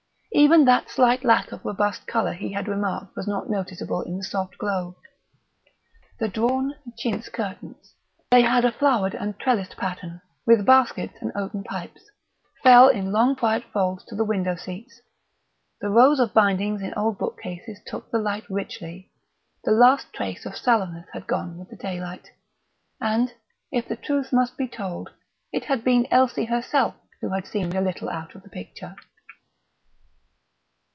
Even that slight lack of robust colour he had remarked was not noticeable in the soft glow. The drawn chintz curtains they had a flowered and trellised pattern, with baskets and oaten pipes fell in long quiet folds to the window seats; the rows of bindings in old bookcases took the light richly; the last trace of sallowness had gone with the daylight; and, if the truth must be told, it had been Elsie herself who had seemed a little out of the picture.